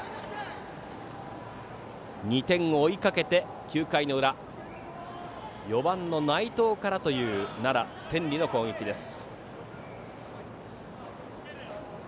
２点を追いかけて９回裏、４番の内藤からという奈良・天理の攻撃です。